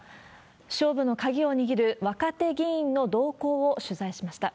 勝負の鍵を握る若手議員の動向を取材しました。